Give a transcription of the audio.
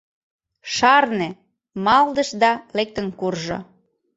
Шарне! — малдыш да лектын куржо.